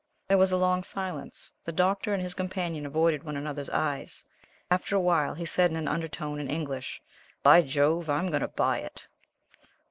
There was a long silence. The Doctor and his companion avoided one another's eyes. After a while, he said in an undertone, in English: "By Jove, I'm going to buy it."